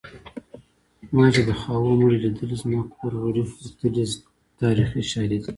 ما چې د خاوو مړي لیدلي زما کور غړي وتلي تاریخي شالید لري